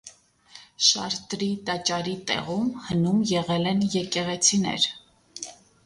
Շարտրի տաճարի տեղում հնում եղել են եկեղեցիներ։